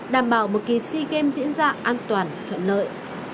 đảm bảo một kỳ sea games diễn ra an toàn thuận lợi